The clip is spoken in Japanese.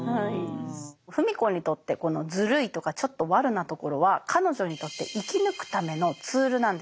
芙美子にとってこのズルいとかちょっとワルなところは彼女にとって生き抜くためのツールなんです。